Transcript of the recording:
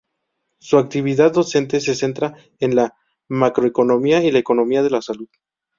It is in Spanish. Su actividad docente se centra en la macroeconomía y la economía de la salud.